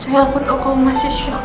jadi aku tau kamu masih syukur